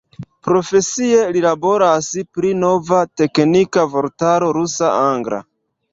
Profesie li laboras pri nova teknika vortaro rusa-angla.